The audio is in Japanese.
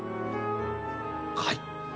はい。